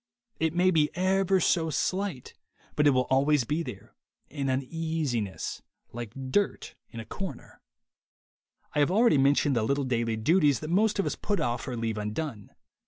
It may be ever so slight, but it will always be there, an uneasiness, like dirt in a corner. I have already mentioned the little daily duties that most of us put off or leave undone.